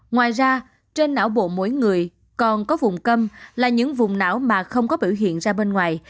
ngoài ra trên não bộ mỗi người còn có vùng cấm là những vùng não mà không có biểu hiện ra bên ngoài